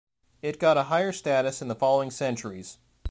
It got a higher status in the following centuries.